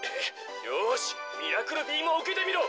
「よしミラクルビームをうけてみろ」。